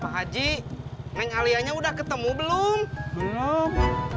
haji mengalirnya udah ketemu belum belum